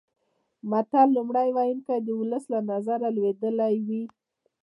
د متل لومړی ویونکی د ولس له نظره لوېدلی وي